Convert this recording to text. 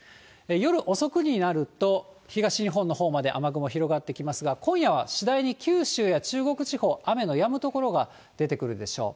夜遅くになると、東日本のほうまで雨雲広がってきますが、今夜は次第に、九州や中国地方、雨のやむ所が出てくるでしょう。